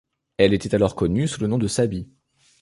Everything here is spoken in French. Elle était alors connue sous le nom de Sabi.